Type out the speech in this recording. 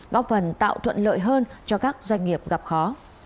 góp phần tạo thuận lợi hơn cho các doanh nghiệp gặp khó